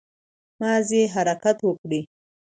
مازې حرکت وکړٸ